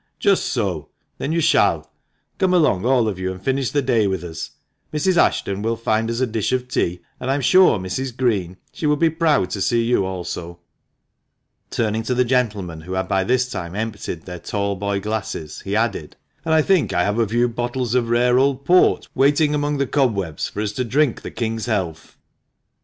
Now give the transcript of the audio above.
Just so ! Then you shall. Come along, all of you, and finish the day with us. Mrs. Ashton will find us a 302 THE MANCHESTER MAN. dish of tea, and I am sure, Mrs. Green, she will be proud to see you also." Turning to the gentlemen, who had by this time emptied their talboy glasses, he added, "And I think I have a few bottles of rare old port waiting among the cobwebs for us to drink the King's health."